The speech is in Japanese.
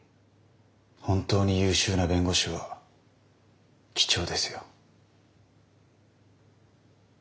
本当に優秀な弁護士は貴重ですよ。